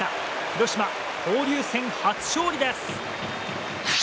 広島、交流戦初勝利です！